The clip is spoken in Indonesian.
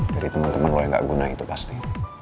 dari temen temen lo yang gak guna itu pasti